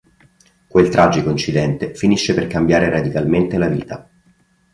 Quel tragico incidente finisce per cambiare radicalmente la vita.